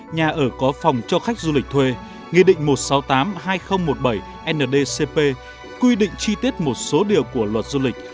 nhà ở có phòng cho khách du lịch thuê nghị định một trăm sáu mươi tám hai nghìn một mươi bảy ndcp quy định chi tiết một số điều của luật du lịch